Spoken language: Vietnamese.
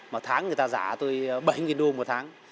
một tháng người ta giả tôi bảy đô một tháng